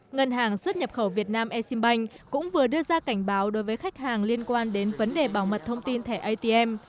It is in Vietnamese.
ngân hàng xuất nhập khẩu việt nam exim bank cũng vừa đưa ra cảnh báo đối với khách hàng liên quan đến vấn đề bảo mật thông tin thẻ atm